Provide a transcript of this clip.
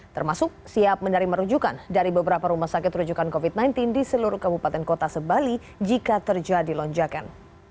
termasuk siap menerima rujukan dari beberapa rumah sakit rujukan covid sembilan belas di seluruh kabupaten kota sebali jika terjadi lonjakan